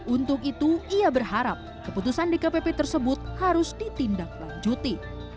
untuk itu ia berharap keputusan dkpp tersebut harus ditindaklanjuti